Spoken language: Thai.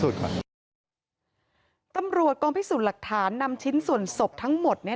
ตำรวจกองพิสูจน์หลักฐานนำชิ้นส่วนศพทั้งหมดเนี่ย